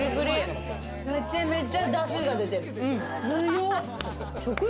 めちゃめちゃダシが出てる。